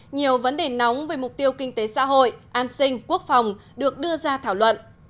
nhiều vấn đề nóng về mục tiêu kinh tế xã hội an sinh quốc phòng được đưa ra thảo luận